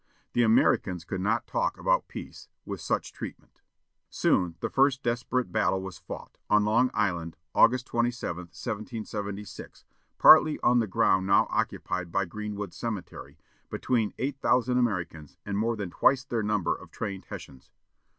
The Americans could not talk about peace, with such treatment. Soon the first desperate battle was fought, on Long Island, August 27, 1776, partly on the ground now occupied by Greenwood Cemetery, between eight thousand Americans and more than twice their number of trained Hessians.